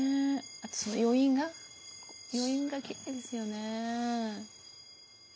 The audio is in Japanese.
あとその余韻が余韻がきれいですよね。